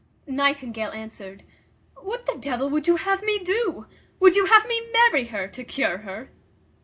Nightingale answered, "What the devil would you have me do? would you have me marry her to cure her?"